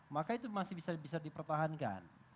maka itu masih bisa dipertahankan